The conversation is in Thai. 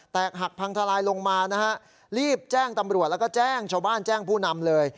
หักพังทลายลงมานะฮะรีบแจ้งตำรวจแล้วก็แจ้งชาวบ้านแจ้งผู้นำเลย